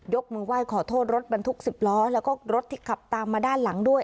มือไหว้ขอโทษรถบรรทุก๑๐ล้อแล้วก็รถที่ขับตามมาด้านหลังด้วย